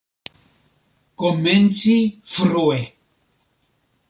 Komenci frue!